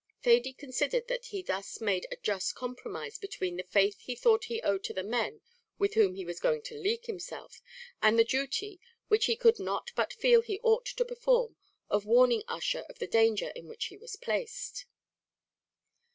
Thady considered that he thus made a just compromise between the faith he thought he owed to the men with whom he was going to league himself, and the duty, which he could not but feel he ought to perform, of warning Ussher of the danger in which he was placed.